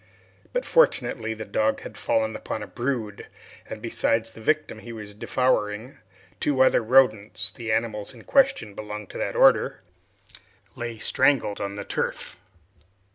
But fortunately the dog had fallen upon a brood, and besides the victim he was devouring, two other rodents the animals in question belonged to that order lay strangled on the turf.